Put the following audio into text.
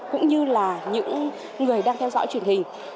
cũng như là những người đang theo dõi truyền hình